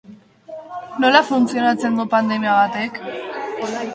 Nola funtzionatzen du pandemia batek?